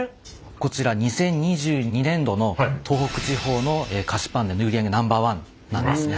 こちら２０２２年度の東北地方の菓子パンでの売り上げＮｏ．１なんですね。